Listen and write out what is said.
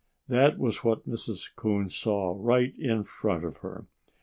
THAT was what Mrs. Coon saw right in front of her.